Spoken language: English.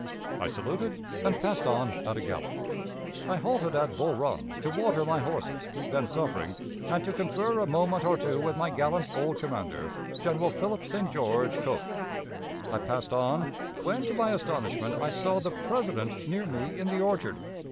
... I saluted, and passed on at a gallop. "I halted at Bull Run to water my horses then suffering and to confer a moment or two with my gallant old commander, General Philip St. George Cocke. "I passed on, ... when to my astonishment I saw the President near me in the orchard.